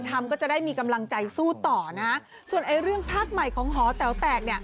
เภาว์ภาพนี่ภาพสุดท้ายนะภาพนี่ภาพสุดท้าย